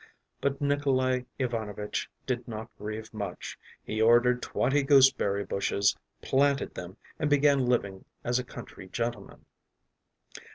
But Nikolay Ivanovitch did not grieve much; he ordered twenty gooseberry bushes, planted them, and began living as a country gentleman.